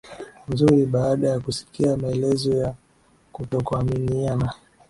nzuri baada ya kusikia maelezo ya kutokuaminiana